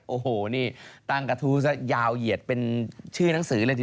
โอ้โหนี่ตั้งกระทู้ซะยาวเหยียดเป็นชื่อหนังสือเลยที